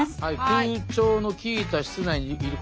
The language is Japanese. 「空調の効いた室内にいることが多い」。